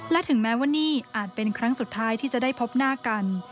และถึงแม้ว่านี่อาจเป็นครั้งสุดท้ายที่จะได้พบหน้ากัน